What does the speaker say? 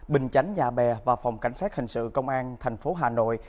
bình chánh nhà bè và phòng cảnh sát hình sự công an thành phố hà nội